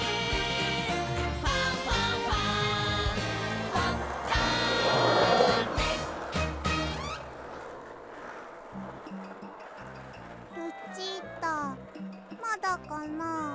「ファンファンファン」ルチータまだかな。